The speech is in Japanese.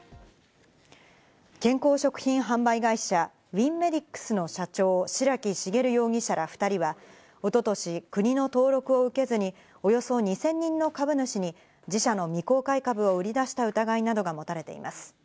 健康食品販売会社・ウィンメディックスの社長、白木茂容疑者ら２人は、一昨年、国の登録を受けずにおよそ２０００人の株主に自社の未公開株を売り出した疑いなどが持たれています。